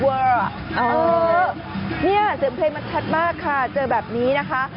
เออเนี่ยเสียงเพลงมันชัดมากค่ะเจอแบบนี้นะคะ